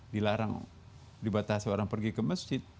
dilarang dibatasi orang pergi ke masjid